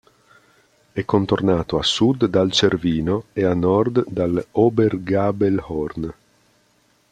È contornato a sud dal Cervino e a nord dall'Obergabelhorn.